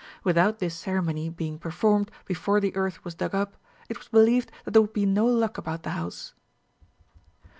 Without this ceremony being performed before the earth was dug up, it was believed that there would be no luck about the house.